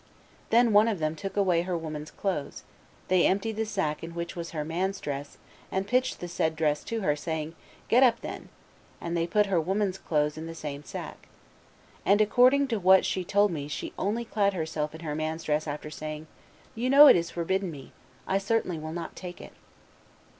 Then one of then took away her woman's clothes; they emptied the sack in which was her man's dress, and pitched the said dress to her, saying, 'Get up, then,' and they put her woman's clothes in the same sack. And according to what she told me she only clad herself in her man's dress after saying, 'You know it is forbidden me; I certainly will not take it.